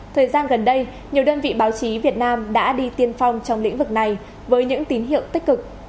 thời gian gần đây nhiều đơn vị báo chí việt nam đã đi tiên phong trong lĩnh vực này với những tín hiệu tích cực